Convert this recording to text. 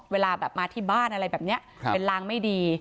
เวลาแบบมาที่บ้านอะไรแบบนี้เป็นลางไม่ดี